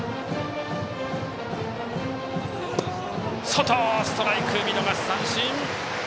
外、ストライクで見逃し三振！